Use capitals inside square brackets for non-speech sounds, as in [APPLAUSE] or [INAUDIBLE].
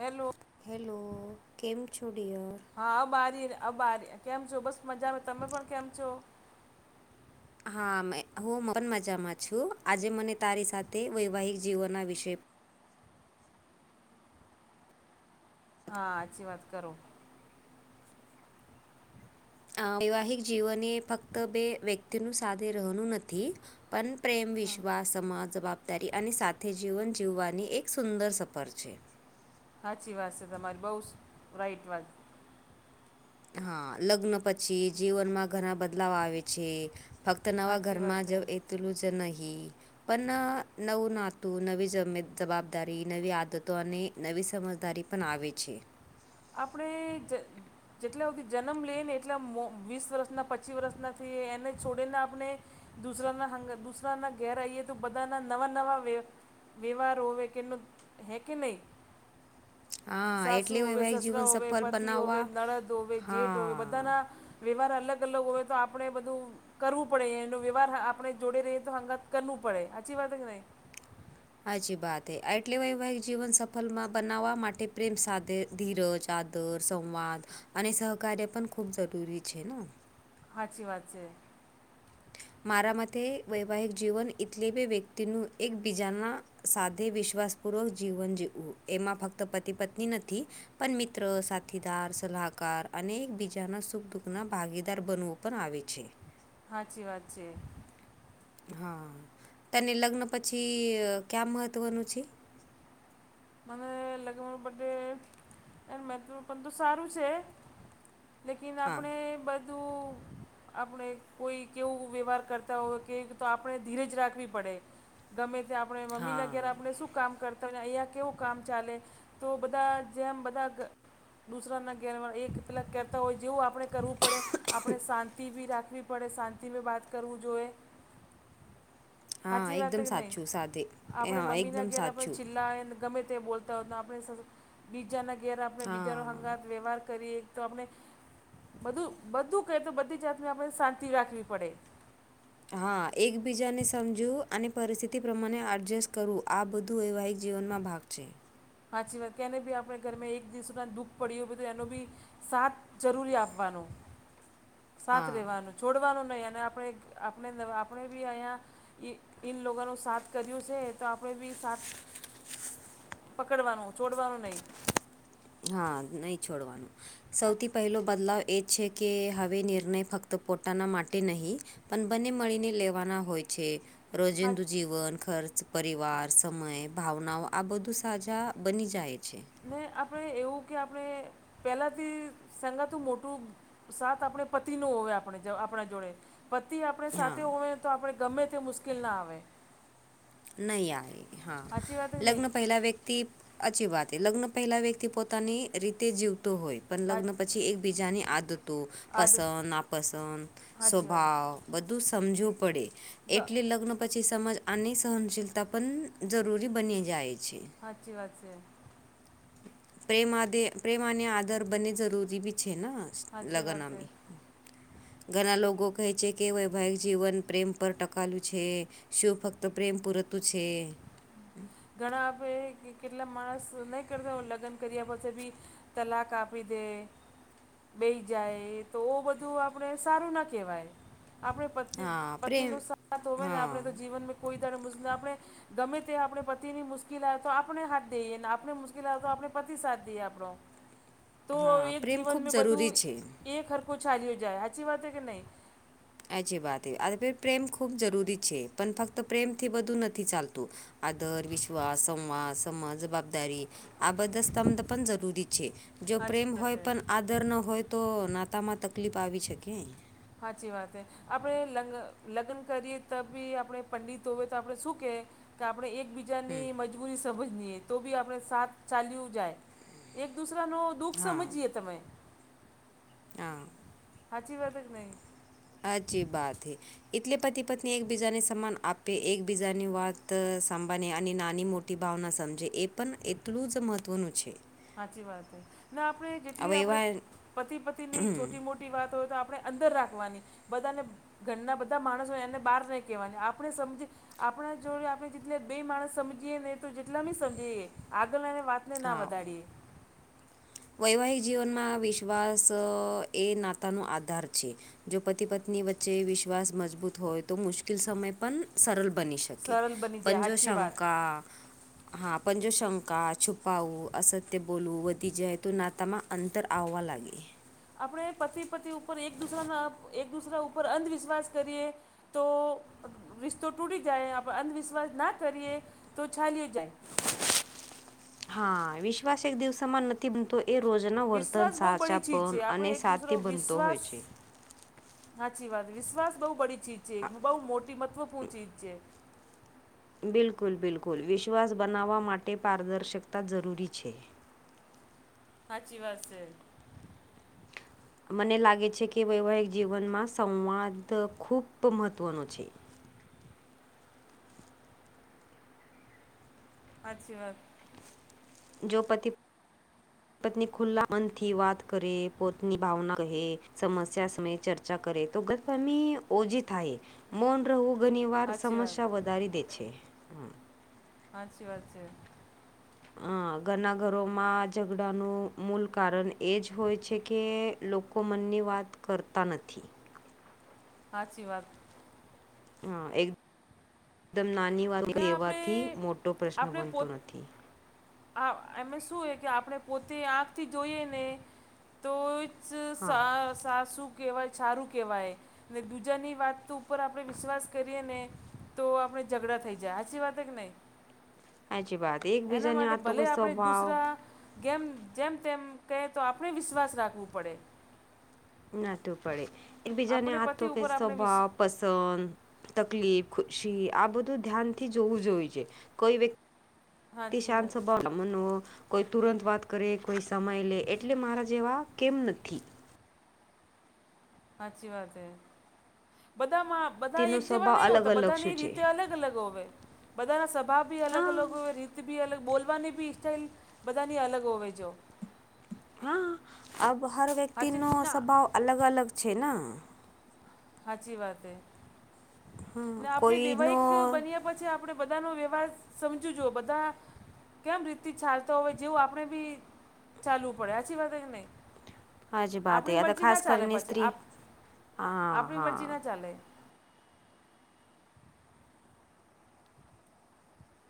Hello hello કેમ છોડયાર. હા અ બારીને અ બારી કેમ છો બસ મજામાં તમે પણ કેમ છો. હા મે હું પણ મજામાં છું આજે મને તારી સાથે વૈવાહિક જીવનના વિષ. હા સાચી વાત કરો. વૈવાહિક જીવન એ ફક્ત બે વ્યક્તિનું. નથી પણ પ્રેમ હા વિશ્વાસ સમાજ જવાબદારી અને સાથે જ. જીવન જીવવાની એક સુંદર સફર છે. સાચી વાત છે તમારી બહુ રાઈટ વાત. હા લગ્ન પછી જીવનમાં ઘણા બદલાવ આવે છે. ફક્ત નવા સાચી વાત ઘરમાં જ છે એુલું જ નહી પણ નવું ના. નવી જવાબદારી નવી આદતો અને નવી સમજદારી પણ આવે છે. આપણે જ. જેટલા બધી જન્મ લઈએ ને એટલા વીસ વર્ષના પચી વર્ષનાથી એને છોડીને આપણે. દુસરાના દુસરાના ઘેરઈએ તો બધાના નવા નવા. વ્યવહાર હોવે કેનું હૈ કે નહી. હા એટલી હોય. વે સસરા હોવે પતિ હોવે નરદ હોવે જેઠ હોવે હા બધાના. વ્યવહાર અલગ અલગ હોય તો આપણે બધું. કરવું પડે એનો વ્યવહાર આપણે જોડે રહીએ તો હંગાત કરવું પડે સાચી વાત કે નહી. હજીી વાત હ આ એટલે વૈવાહિક જીવન સફળમાં બનાવવા માટે પ્રેમ સાથેધ. ધીરજ આદર સંવાદ અને સહકાર્ય પણ ખૂબ જરૂરી છે ને. સાાચી વાત છે. મારા મતે વૈવાહિક જીવન એટલે બે વ્યક્તિનું એકબીજાના. સાધે વિશ્વાસ પૂર્વક જીવન જીવવું એમાં ફક્ત પતિ પત્ની નથી પણ મિત્ર સાથીદાર સલાહકાર અને એકબીજાના સુખ દુઃખ ના ભાગીદાર બનવો. પણ આવે છે. સાાચી વાત છે. હા તને લગ્ન પછી ક્યાં મહત્વનું છે. મને લગ્ન બ ડે એ મત્ પણ તો સારું છે. લેકિન હા આપણે બધું. આપણે કોઈ કેવું વ્યવહાર કરતા હોય કેવી આપણે ધીરે જ રાખવી પડે. ગમે ત્યાં આપણે હા મમ્મીનેગ્યારે આપણે શું કામ કરતા હોયને અહીંયા. કેવું કામ ચાલે તો બધા જેમ બધા દરા ના. એ પેલાં કહેતા હોય જેવું આપણે કરવું પડે આપણે શાંતિ બી રાખવી. પડે શાંતિ મે બાત કરવું જોઈએ. હા સાચી વાત એકદમ કે સાચું સાદે નહી આપડે હા મમ્મીને એકદમ ઘેર આપણે સાચું ચીલ્લા. ગમે તે બોલતા હોત આપણે બીજાના ઘેરે આપણે બીજાનો હા હંગાત વ્યવહાર કરીએ. તો આપણે બધું બધું કહે તો બધી જાતને આપણે શાંતિ રાખવી પડે. હા એકબીજાને સમજું અને પરિસ્થિતિ પ્રમાણે એડજસ્ટ કરું આ બધું વૈવાહિક જીવનમાં ભાગ છે. હાચી વાત કેને ભી આપણે ઘરમાં એક દિવસુ સુધ દુઃખ પડ્યું બધું તો એનો બી સાથ જરૂરી આપવાનું. સાથ હા રેહવાનું છોડવાનું નહી અને આપણે આપણે આપણે બી અહીંયા ઈ ઇનલોગાનો સાથ કર્યું છે તો આપણે બી સાથ પકડવાનું, છોડવાનું નઈ. હા નહીં છોડવાનું. હા સૌથી પેહલો બદલાવ એ જ છે કે હવે નિર્ણય ફક્ત પોતાના માટે નહીં પણ બંને મળીને લેવાના હોય છે. રોજિંદુ હા જીવન, ખર્ચ, પરિવાર, સમય, ભાવના આ બધું સાજા બની જાય છે. ને આપણે એવું કે આપણે પેલાંથી સંગાતું મોટું સાથ આપણે પતિનું ઓવે આપણે જો આપણે જોડે. પતિ આપણે સાથે હા હોવે તો આપણે ગમે તે મુશ્કેલ ના આવે. નહીં આવે હા. હાચી વાત કે નહી લગ્ન પેહલા વ્યક્તિ આચી વાત લગ્ન પેહલા વ્યક્તિ પોતાની રીતે જીવતો હોય પણ હા લગ્ન પ પછી એકબીજાની આદતો, આદ પસંદ, નાપસંદ, હાચી સ્વભાવ બધું સમજવું પડે. વાત એટલે લગ્ન પછી સમજ આની સહનશીલતા પણન જરૂરી બની જાય છે. હાચી વાત હે. પ્રેમા દે પ્રેમા અને આદર બને જરૂરી ભી છે હાચી વાત છે લગનમે. ઘણા લોકો કહે છે કે વૈવાહિક જીવન પ્રેમ પર ટકાલું છે. શું ફક્ત પ્રેમ પૂરતું છે? ઘણા આપે કેટલા માણસ નહીં કરતા હોય લગ્ન કર્યા પછી બી તલાક આપી દે. બેહી જાય તો ઓ બધું આપણે સારું ના કેહવાય. આપણે પ તિ હા પતિનું પ્રેમ સાથ હોવે ને આપણે હા તો જીવન કોઈ દાડે મુસ ને આપણે ગમે તે આપણે પ તિ ની મુશ્કેલ આવે તો આપણે હાથ દઈએને આપણે મુશ્કેલ આવે તો આપણે પતિ સાથ દઈએ આપણો. તો હા એક પ્રેમ જીવન ખૂબ મે જરૂરી છે બધું એક હરકો ચાલ્યો જાય. હાચી વાત કે નઈ? આચી વાત એ, આ પ્રેમ ખૂબ જરૂરી છે પણ ફક્ત પ્રેમથી બધું નથી ચાલતું. આદર, વિશ્વાસ, સંવાદ, સમજ, જવાબદારી આબધા સ્તંભધ પણ જરૂરી છે. જો હાચી પ્રેમ વાત હોય હે પણ આદર ન હોય તો નાતામાં તકલીપ આવી શકે. હાચી વાત એ. આપણે લ લગ્ન કરીએ ત બી આપણે પંડિત હોવે તો આપણે શું કે? કે આપણેે એક બી જાની મજબૂરી સમજ નીએ તો બી આપણે સાથ ચાલ્યું જાય. એક દુસરાનો દુઃખ હા સમજીયએ તમે હા હાચી વાત એ કે નઈ? હાચી બાત હૈ. એટલે પતિ પત્ની એકબીજાને સમાન આપે, એકબીજાની વાત સાંભા અને નાની મો ટી ભાવના સમજે એ પણ એટલું જ મહત્વનું છે. હાચી વાત એ ને આપણે જેટલી હવે આપણે એવા પતિ પતિની ચોટી મો ટી વાત હોય તો આપણે અંદર રાખવાની, બધાને ઘરના બધા માણસો એને બહાર નહીં કહેવાની. આપણે સમજી આપણા જોડે આપણે જે બે માણસ સમજીએે ને તો જેટલાી સમજીએ આગલા ને વાત ના હા વધાડીએ. વૈવાહિક જીવનમાં વિશ્વાસ એ નાતાનો આધાર છે. જો પતિ પત્ની વચ્ચે વિશ્વાસ મજબૂત હોય તો મુશ્કેલ સમય પન સરલ બની શકે સરળ બની જાય પન જો સાચી વાત શંકા હા પણ જો શંકા છુપાાવું અસત્ય બોલવુ વધી જાય નાતામાં અંતર આવવા લાગે આપણે પતિ પતિ ઉપર એક દુસરાના એક દુસરા ઉપર અંધવિશ્વાસ કરીએ તો રિશ્તો તૂટી જાય આપ અંધવિશ્વાસ ના કરીએ તો ચાલીજાય હા વિશ્વાસ એક દિસા માં નથી બનતો એ રોજનો વર્તન વિશ્વાસ બહુ બડી સાચા ચીજ પણ છે અને આપણે એક દૂસરો સાથી બનતો હોય વિશ્વાસ છે. સાચી વાત વિશ્વાસ બહુ બડી ચીજ છે બહુ મોટી મહત્વપૂર્ણ ચીજ છે. બિલકુલ બિલકુલ વિશ્વાસ બનાવવા માટે પારદર્શકતા જરૂરી છે સાાચીવાત છે મને લાગે છે કે વૈવાહિક જીવનમાં સંવાદ ખૂબ મહત્ત્વનો છે સાચીવાત જો પતિ હ [INAUDIBLE] પત્ની ખુલ્લા મન થી વાત કરે પોતની ભાવના કહે સમસ્યા સમય ચર્ચા [INAUDIBLE] કરે તો ગલતફહેમી ઓજી થાય મૌન રહવું ઘની વાર સાચી વાત સમસ્યા વધારી દે છે હાચી વાત છે હ ઘના ઘરોમાં ઝઘડાનું મૂલ કારણ એ જ હોય છે કે લોકો મનની વાત કરતા નથી સાાચીવાત હ એક દમ નાની વાત ને આપણે કેવાથી મોટો પ્રશ્ન બનતો નથી આ એમે શું હો કે આપણે પોતે આંખથી જોઈએ ને તો સ હા સા સાસું કેવાય સારું કહેવાય ને દીજાની વાત ઉપર આપણે વિશ્વાસ કરીએ ને તો આપણે ઝઘડા થઈ જાય સાચી વાત હે કે નહી. સાચી વાત એના એકબીજાને માટે આતો ભલે કે આપણે એક સ્વભાવ દુસરા કેમ જેમ તેમ કહે તો આપણે વિશ્વાસ રાખવું પડે. નાતું પડે એકબીજાને આપણે આ પતિ તોકે ઉપર આપણે વિશ સ્વભાવ પસંદ, તકલીફ ખુશી આ બધું ધ્યાનથી જોવું જોઈ છે કોઈ વ્યક્તિ સાચી વાત [INAUDIBLE] કોઈ તુરંત વાત કરે કોઈ સમય લે એટલે મારા જેવા કેમ નથી. હાચી વાત છે બધામાં બધા તેનો એક જેવા સ્વભાવ નહી અલગ હોતા અલગ બધા ની શું છે રીતે અલગ અલગ હોવે બધાના ભાવબી અલગ હા અલગ હોવે રીત બી અલગ બોલવાની બી ઈસ્ટાઈઇલ બધાની અલગ હોવે જો. હા અબ હર વ્યક્તિ હાચી નો ના સ્વભાવ અલગ અલગ છેના સાચી વાત એ હા ને આપણેે કોઈનો વૈવાહિક બન્યા પછી આપડે બધાનોો વ્યવહાર સમજુ જો બધા કેમ રીથી ચાલતો હોય જેવું આપણે બી ચાલવું પડે સાચી વાત હેકે નહી. હાજી વાત આપણી એ આ તો મરજી ખાસ ના ચાલે કરીને પછી સ્ત્રી આપ હા આપણી મરજી હા ના ચાલે.